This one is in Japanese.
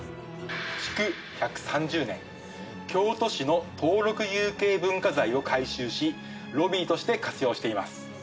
築１３０年、京都市の登録有形文化財を改修し、ロビーとして活用しています。